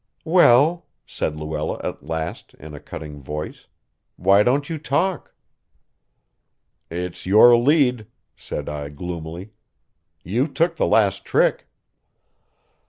"Well," said Luella at last, in a cutting voice, "why don't you talk?" "It's your lead," said I gloomily. "You took the last trick."